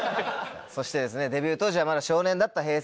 そしてですねデビュー当時はまだ少年だったＨｅｙ！